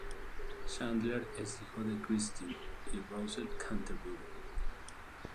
Chandler es hijo de Kristine y Russell Canterbury.